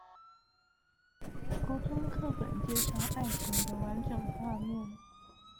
國中課本介紹愛情的完整畫面